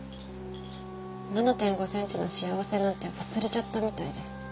７．５センチの倖せなんて忘れちゃったみたいで。